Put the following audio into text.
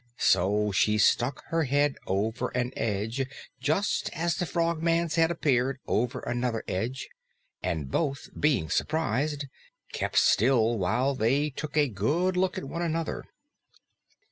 So she stuck her head over an edge just as the Frogman's head appeared over another edge, and both, being surprised, kept still while they took a good look at one another.